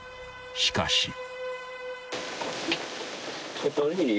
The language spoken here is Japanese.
［しかし］